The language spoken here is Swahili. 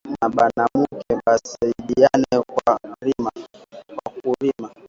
Banaume na banamuke basaidiane kwaku rima